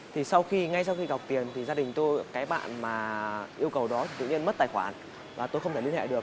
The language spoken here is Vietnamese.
thì sau khi ngay sau khi đọc tiền thì gia đình tôi cái bạn mà yêu cầu đó tự nhiên mất tài khoản và tôi không thể liên hệ được